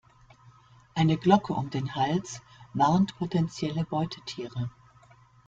Eine Glocke um den Hals warnt potenzielle Beutetiere.